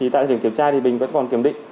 tại thời điểm kiểm tra thì bình vẫn còn kiểm định